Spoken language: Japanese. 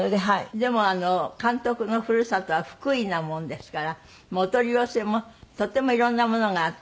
でもあの監督の故郷は福井なものですからお取り寄せもとってもいろんなものがあって。